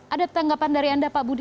ada tanggapan dari anda pak budi